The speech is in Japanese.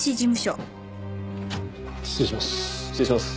失礼します。